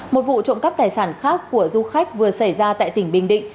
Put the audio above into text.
một vụ trộm cắp tài sản khác của du khách vừa xảy ra tại tỉnh bình định